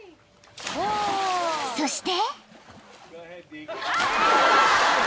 ［そして］